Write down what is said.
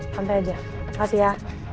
sampai aja kasih ya